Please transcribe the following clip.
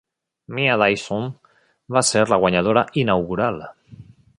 Mia Dyson va ser la guanyadora inaugural.